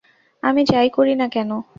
আমি যাই করি না কেন।